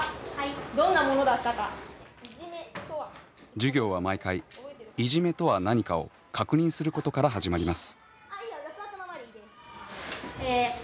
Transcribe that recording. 授業は毎回いじめとは何かを確認することから始まります。